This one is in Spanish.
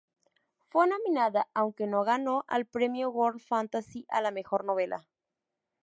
Fue nominada aunque no ganó al Premio World Fantasy a la mejor novela.